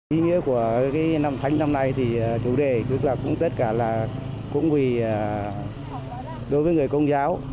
ý nghĩa của năm thánh năm nay thì chủ đề tất cả là cũng vì đối với người công giáo